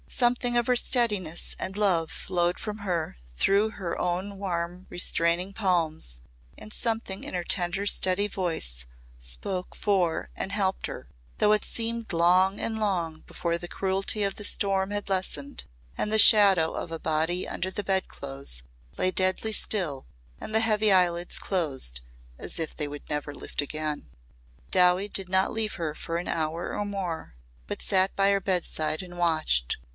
Something of her steadiness and love flowed from her through her own warm restraining palms and something in her tender steady voice spoke for and helped her though it seemed long and long before the cruelty of the storm had lessened and the shadow of a body under the bed clothes lay deadly still and the heavy eyelids closed as if they would never lift again. Dowie did not leave her for an hour or more but sat by her bedside and watched.